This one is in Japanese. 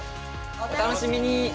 お楽しみに！